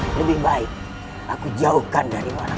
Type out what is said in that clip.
hehehe lebih baik aku jauhkan dari warang